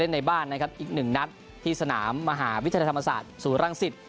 นัดที่สนามมหาวิทยาธรรมศาสตร์ศูนย์รังศิษฐ์